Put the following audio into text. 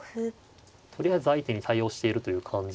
とりあえず相手に対応しているという感じで。